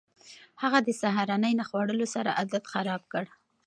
هغه د سهارنۍ نه خوړلو سره عادت خراب کړ.